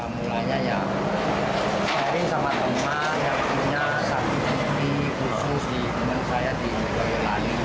mulanya ya saya sama teman yang punya sapi kering khusus di rumah saya di koyolani